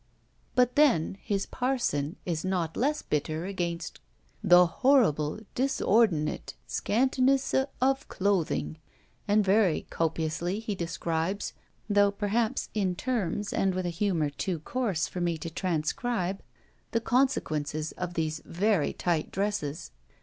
But then his Parson is not less bitter against "the horrible disordinat scantnesse of clothing," and very copiously he describes, though perhaps in terms and with a humour too coarse for me to transcribe, the consequences of these very tight dresses.